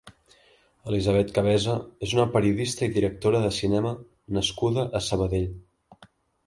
Elisabet Cabeza és una periodista i directora de cinema nascuda a Sabadell.